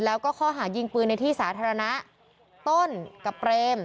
แล้วก็ข้อหายิงปืนในที่สาธารณะต้นกับเปรม